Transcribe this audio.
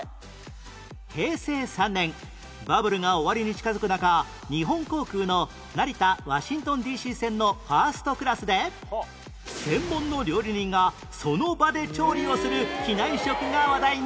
平成３年バブルが終わりに近づく中日本航空の成田ワシントン Ｄ．Ｃ． 線のファーストクラスで専門の料理人がその場で調理をする機内食が話題に